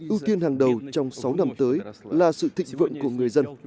ưu tiên hàng đầu trong sáu năm tới là sự thịnh vượng của người dân